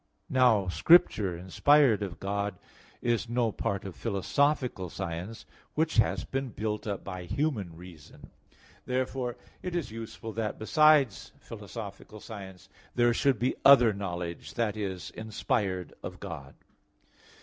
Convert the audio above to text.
Now Scripture, inspired of God, is no part of philosophical science, which has been built up by human reason. Therefore it is useful that besides philosophical science, there should be other knowledge, i.e. inspired of God.